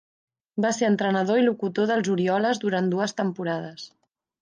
Va ser entrenador i locutor dels Orioles durant dues temporades.